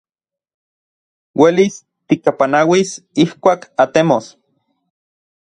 Uelis tikapanauis ijkuak atemos.